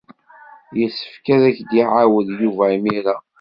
Yessefk ad ak-d-iɛawed Yuba imir-a.